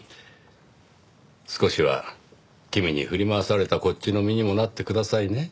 少しは君に振り回されたこっちの身にもなってくださいね。